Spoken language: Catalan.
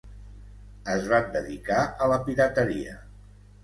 Es van dedicar a la pirateria.